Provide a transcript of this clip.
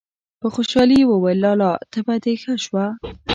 په خوشالي يې وويل: لالا! تبه دې ښه شوه!!!